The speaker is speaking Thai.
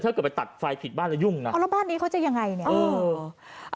ถ้าเกิดไปตัดไฟผิดบ้านแล้วยุ่งนะอ๋อแล้วบ้านนี้เขาจะยังไงเนี่ยเออ